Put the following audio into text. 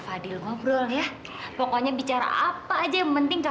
fadil pak tinggal mama nih mungkin pak